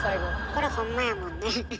これほんまやもんね。